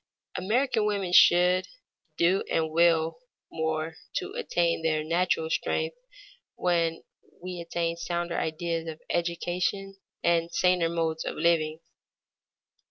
American women should do and will do more to attain their natural strength when we attain sounder ideas of education and saner modes of living.